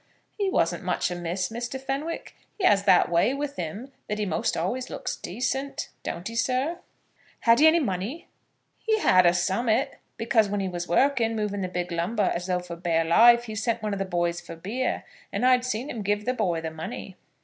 "He wasn't much amiss, Mr. Fenwick. He has that way with him that he most always looks decent; don't he, sir?" "Had he any money?" "He had a some'at, because when he was working, moving the big lumber as though for bare life, he sent one of the boys for beer, and I see'd him give the boy the money."